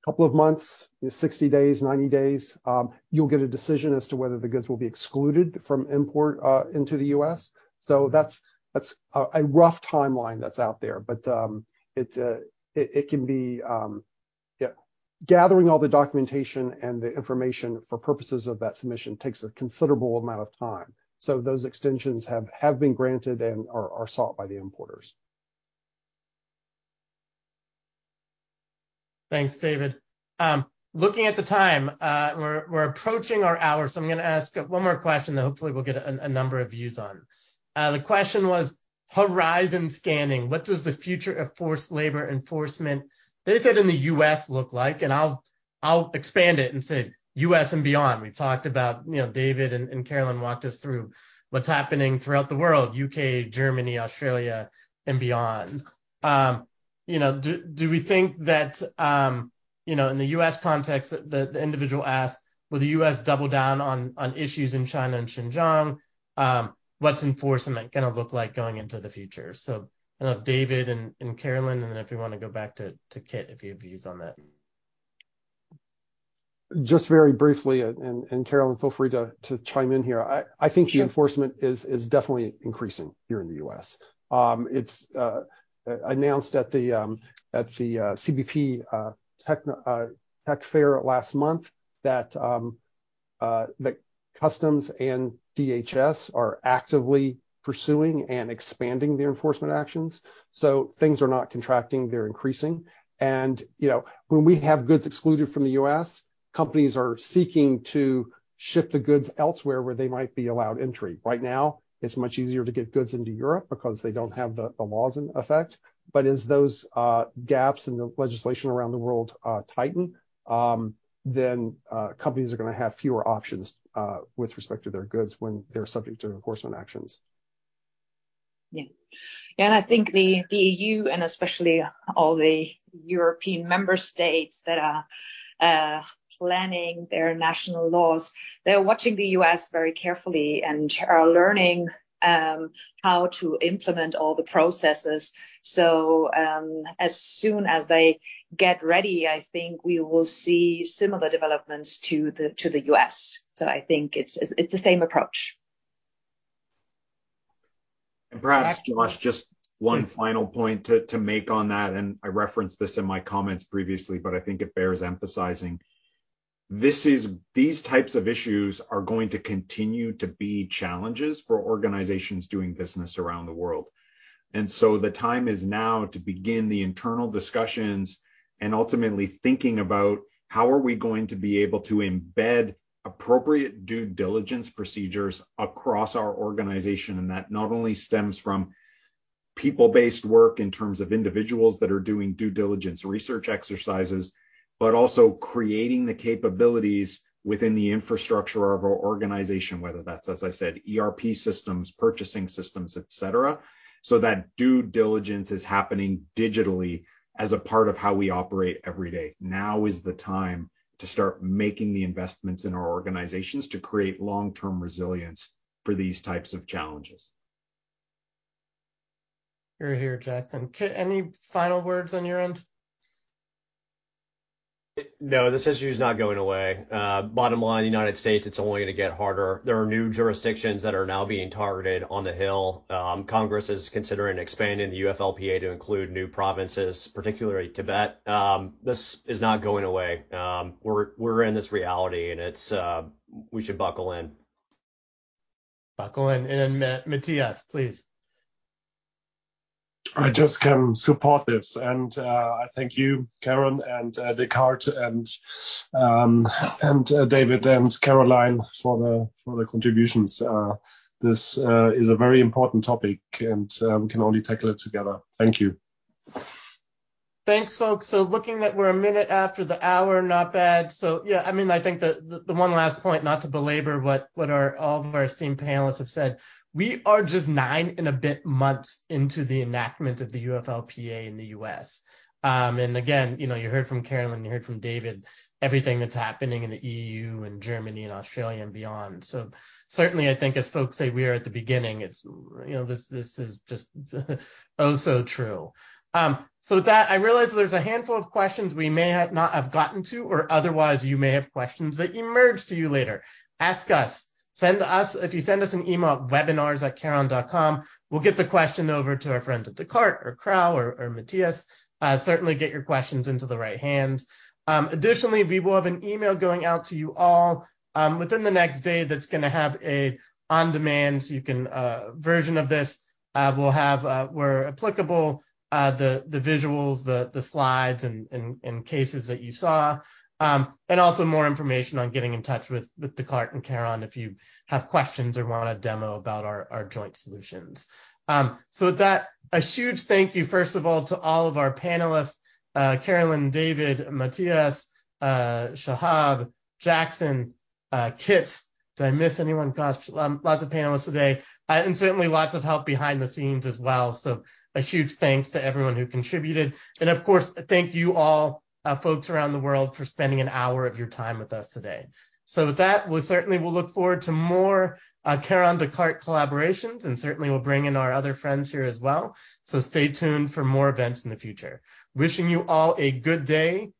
A couple of months, 60 days, 90 days, you'll get a decision as to whether the goods will be excluded from import into the US. That's a rough timeline that's out there. It can be... Yeah, gathering all the documentation and the information for purposes of that submission takes a considerable amount of time. Those extensions have been granted and are sought by the importers. Thanks, David. Looking at the time, we're approaching our hour, so I'm gonna ask one more question that hopefully we'll get a number of views on. The question was: Horizon scanning, what does the future of forced labor enforcement, they said in the U.S., look like? I'll expand it and say U.S. and beyond. We've talked about, you know, David and Carolyn walked us through what's happening throughout the world, U.K., Germany, Australia, and beyond. You know, do we think that, you know, in the U.S. context, the individual asked, will the U.S. double down on issues in China and Xinjiang? What's enforcement gonna look like going into the future? I don't know, David and Carolyn, and then if you wanna go back to Kit, if you have views on that. Just very briefly, and Carolyn, feel free to chime in here. I think the enforcement is definitely increasing here in the U.S. It's announced at the CBP tech fair last month that the customs and DHS are actively pursuing and expanding the enforcement actions. Things are not contracting, they're increasing. You know, when we have goods excluded from the U.S., companies are seeking to ship the goods elsewhere where they might be allowed entry. Right now it's much easier to get goods into Europe because they don't have the laws in effect. As those gaps in the legislation around the world tighten, then companies are gonna have fewer options with respect to their goods when they're subject to enforcement actions. I think the EU and especially all the European member states that are planning their national laws, they're watching the U.S. very carefully and are learning how to implement all the processes. As soon as they get ready, I think we will see similar developments to the U.S. I think it's the same approach. Perhaps, Josh, just one final point to make on that, and I referenced this in my comments previously, but I think it bears emphasizing. These types of issues are going to continue to be challenges for organizations doing business around the world. The time is now to begin the internal discussions and ultimately thinking about how are we going to be able to embed appropriate due diligence procedures across our organization. That not only stems from people-based work in terms of individuals that are doing due diligence research exercises, but also creating the capabilities within the infrastructure of our organization, whether that's, as I said, ERP systems, purchasing systems, et cetera, so that due diligence is happening digitally as a part of how we operate every day. Now is the time to start making the investments in our organizations to create long-term resilience for these types of challenges. Hear, hear, Jackson. Any final words on your end? This issue's not going away. Bottom line, United States, it's only gonna get harder. There are new jurisdictions that are now being targeted on the Hill. Congress is considering expanding the UFLPA to include new provinces, particularly Tibet. This is not going away. We're in this reality and it's, we should buckle in. Buckle in. Then, Matthias, please. I just support this and I thank you, Kharon and Descartes and David and Carolyn for the contributions. This is a very important topic and we can only tackle it together. Thank you. Thanks, folks. Looking that we're 1 minute after the hour, not bad. Yeah, I mean, I think the one last point, not to belabor what all of our esteemed panelists have said, we are just nine and a bit months into the enactment of the UFLPA in the U.S. Again, you know, you heard from Carolyn, you heard from David, everything that's happening in the EU and Germany and Australia and beyond. Certainly I think as folks say, we are at the beginning, it's, you know, this is just so true. With that, I realize there's a handful of questions we may have not have gotten to or otherwise you may have questions that emerge to you later. Ask us. Send us, if you send us an email at webinars@descartes.com, we'll get the question over to our friends at Descartes or Crow or Matthias. Certainly get your questions into the right hands. Additionally, we will have an email going out to you all within the next day that's gonna have a on-demand so you can version of this. We'll have, where applicable, the visuals, the slides and cases that you saw. Also more information on getting in touch with Descartes and Kharon if you have questions or want a demo about our joint solutions. With that, a huge thank you, first of all, to all of our panelists, Carolyn, David, Matthias, Shahab, Jackson, Kit. Did I miss anyone? Gosh, lots of panelists today. Certainly lots of help behind the scenes as well, so a huge thanks to everyone who contributed. Of course, thank you all, folks around the world for spending an hour of your time with us today. With that, we certainly will look forward to more, Kharon-Descartes collaborations, and certainly we'll bring in our other friends here as well. Stay tuned for more events in the future. Wishing you all a good day.